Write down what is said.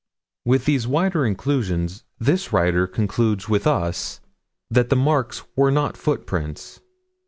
With these wider inclusions, this writer concludes with us that the marks were not footprints.